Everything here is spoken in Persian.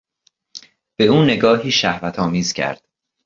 به او نگاهی شهوت آمیز کرد.